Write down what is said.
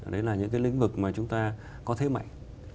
đấy là những cái lĩnh vực mà chúng ta có thế mạnh